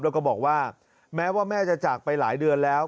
แล้วก็บอกว่าแม้ว่าแม่จะจากไปหลายเดือนแล้ว